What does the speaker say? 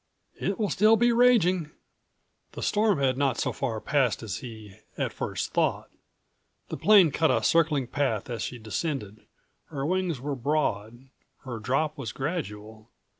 "It will still be raging." The storm had not so far passed as he at first thought. The plane cut a circling path as she descended. Her wings were broad; her drop was gradual.